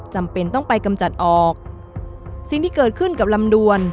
จำเป็นต้องไปกำจัดออกสิ่งที่เกิดขึ้นกับลำดวน